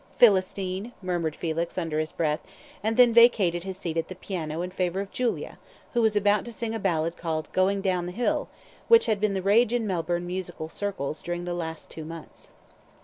"Philistine," murmured Felix, under his breath, and then vacated his seat at the piano in favour of Julia, who was about to sing a ballad called, "Going Down the Hill," which had been the rage in Melbourne musical circles during the last two months.